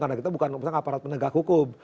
karena kita bukan aparat penegak hukum